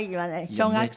小学生？